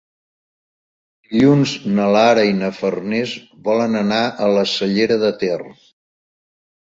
Dilluns na Lara i na Farners volen anar a la Cellera de Ter.